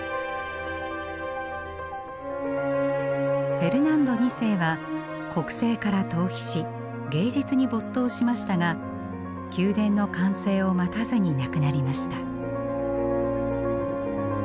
フェルナンド２世は国政から逃避し芸術に没頭しましたが宮殿の完成を待たずに亡くなりました。